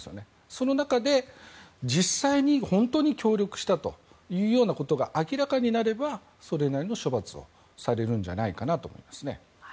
その中で、実際に本当に協力したというようなことが明らかになれば、それなりの処罰はされると思います。